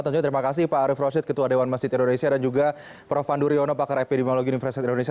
tanjung terima kasih pak arief roshid ketua dewan masjid indonesia dan juga prof pandu riono pakar epidemiologi universitas indonesia